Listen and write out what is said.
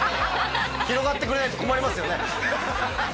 広がってくれないと困りますよね